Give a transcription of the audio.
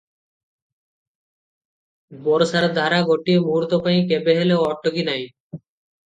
ବରଷାର ଧାରା ଗୋଟିଏ ମୁହୂର୍ତ୍ତପାଇଁ କେବେ ହେଲେ ଅଟକି ନାହିଁ ।